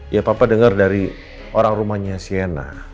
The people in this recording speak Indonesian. ya papa dengar dari orang rumahnya siena